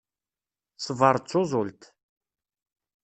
Ṣṣber d tuẓult.